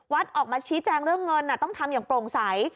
ออกมาชี้แจงเรื่องเงินต้องทำอย่างโปร่งใส